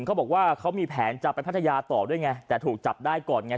เขาบอกว่าเขามีแผนจะไปพัทยาต่อด้วยไงแต่ถูกจับได้ก่อนไง